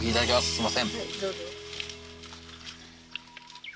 すいません